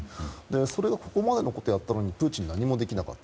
それがここまでのことをやったのにプーチンは何もできなかった。